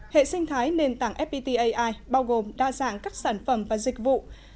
hệ sinh thái nền tảng fpt ai bao gồm đa dạng các sản phẩm và dịch vụ